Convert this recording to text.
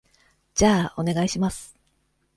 じゃあ、お願いします。